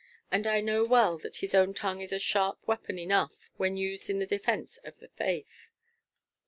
And I know well that his own tongue is a sharp weapon enough when used in the defence of the faith."